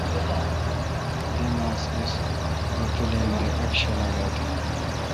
دی ماس اِس اتولن دہ اک چھلا چُرڈھا تھال۔